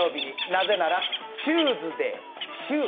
なぜなら、チューズデー。